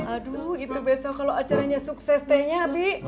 aduh itu besok kalau acaranya sukses tehnya bi